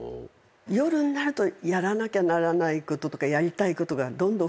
夜んなるとやらなきゃならないこととかやりたいことがどんどん増えてくるんですね。